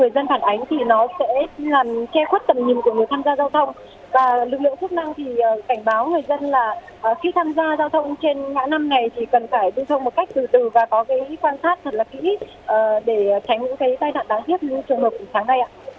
và lực lượng chức năng thì cảnh báo người dân là khi tham gia giao thông trên ngã năm này thì cần phải lưu thông một cách từ từ và có cái quan sát thật là kỹ để tránh những cái tai nạn đáng hiếp như trường hợp tháng nay ạ